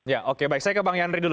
ya oke baik saya ke bang yandri dulu